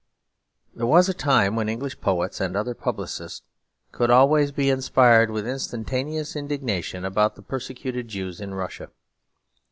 There was a time when English poets and other publicists could always be inspired with instantaneous indignation about the persecuted Jews in Russia.